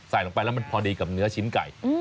ลงไปแล้วมันพอดีกับเนื้อชิ้นไก่